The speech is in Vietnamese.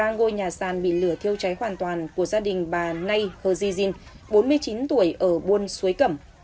ba ngôi nhà sàn bị lửa thiêu cháy hoàn toàn của gia đình bà nay hờ diên bốn mươi chín tuổi ở buôn suối cẩm